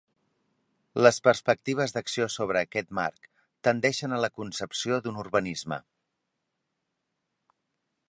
Les perspectives d'acció sobre aquest marc tendeixen a la concepció d'un urbanisme.